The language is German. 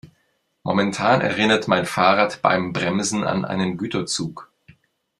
Momentan erinnert mein Fahrrad beim Bremsen an einen Güterzug.